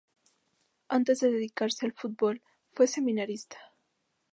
Antes de dedicarse al fútbol fue seminarista.